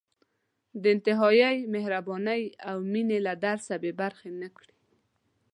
د انتهايي مهربانۍ او مېنې له درس بې برخې نه کړي.